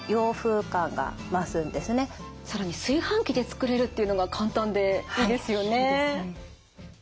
更に炊飯器で作れるっていうのが簡単でいいですよね。